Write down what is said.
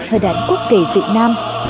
hời đại quốc kỳ việt nam